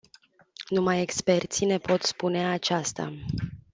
Numai experții ne pot spune aceasta.